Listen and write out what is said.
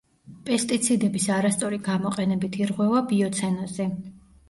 პესტიციდების არასწორი გამოყენებით ირღვევა ბიოცენოზი.